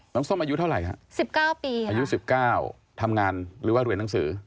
ส้มอายุเท่าไหร่ฮะ๑๙ปีอายุ๑๙ทำงานหรือว่าเรียนหนังสือ